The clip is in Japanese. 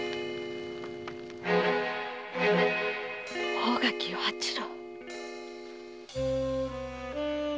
大垣与八郎！